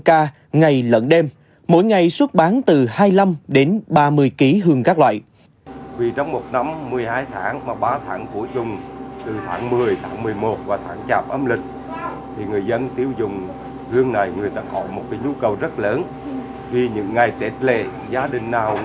ca ngày lẫn đêm mỗi ngày xuất bán từ hai mươi năm đến ba mươi ký hương các loại